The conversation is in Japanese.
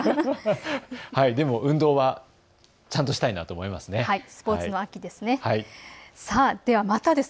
でも、運動はちゃんとしたいなと思います。